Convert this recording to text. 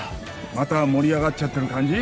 また盛り上がっちゃってる感じ？